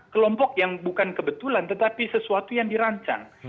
kelompok yang bukan kebetulan tetapi sesuatu yang dirancang